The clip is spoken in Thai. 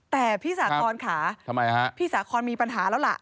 แต่พี่สาขอนค่ะทำไมฮะพี่สาขอนมีปัญหาแล้วล่ะ